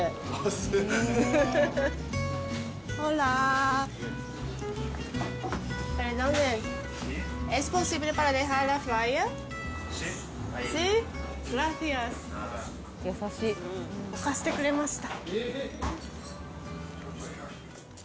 すごい。置かせてくれました。